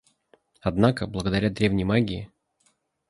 Однако, благодаря древней магии